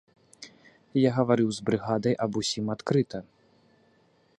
Я гаварыў з брыгадай аб усім адкрыта.